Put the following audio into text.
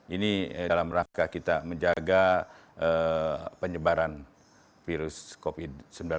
ini dalam rangka kita menjaga penyebaran virus covid sembilan belas